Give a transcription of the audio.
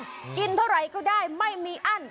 กินเท่าไหร่ก็ได้ไม่มีอั้น